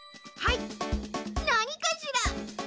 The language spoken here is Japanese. はいなにかしら？